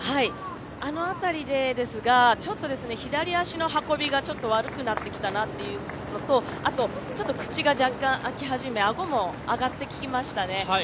あの辺りで左足の運びが悪くなってきたなというのとあと、口が若干開き始めて顎も上がってきましたね。